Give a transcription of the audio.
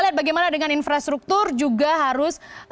lihat bagaimana dengan infrastruktur juga harus